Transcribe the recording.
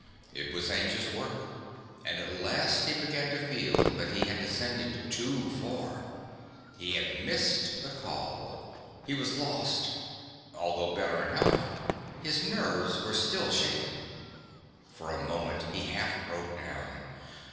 It was anxious work and at last he began to feel that he had descended too far. He had missed the col. He was lost. Although better in health his nerves were still shaken. For a moment he half broke down.